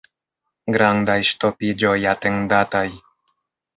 Grandaj ŝtopiĝoj atendataj.